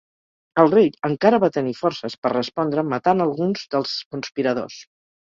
El rei encara va tenir forces per respondre matant alguns dels conspiradors.